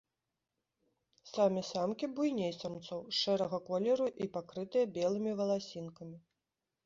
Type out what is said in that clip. Самі самкі буйней самцоў, шэрага колеру і пакрытыя белымі валасінкамі.